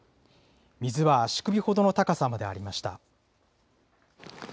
水は足首ほどの高さまでありました。